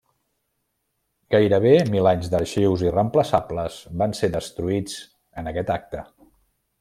Gairebé mil anys d'arxius irreemplaçables van ser destruïts en aquest acte.